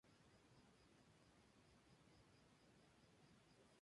Está surcado por el río Atrato.